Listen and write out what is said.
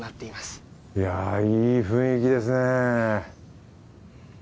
いやいい雰囲気ですね。